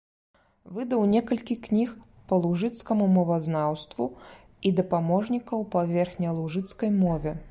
Выдаў некалькі кніг па лужыцкаму мовазнаўству і дапаможнікаў па верхнялужыцкай мове.